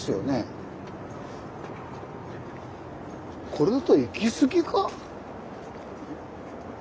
これだと行き過ぎか？